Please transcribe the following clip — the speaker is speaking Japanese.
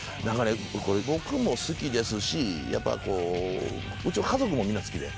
僕も好きですしうちの家族もみんな好きで。